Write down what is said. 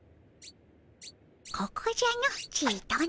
ここじゃのちとの。